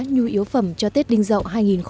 nhu yếu phẩm cho tết đinh dậu hai nghìn một mươi bảy